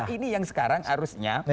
ini yang sekarang harusnya